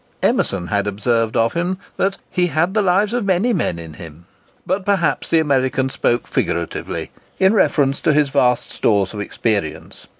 Emerson had observed of him that he had the lives of many men in him. But perhaps the American spoke figuratively, in reference to his vast stores of experience.